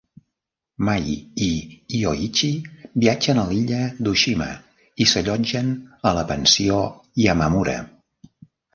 Mai i Yoichi viatgen a l'illa d'Oshima i s'allotgen a la pensió Yamamura.